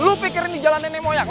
lu pikir ini jalan nenek moyang